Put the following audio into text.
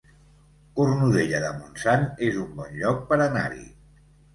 Cornudella de Montsant es un bon lloc per anar-hi